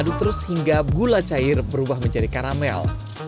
aduk terus hingga gula cair berubah menjadi karamel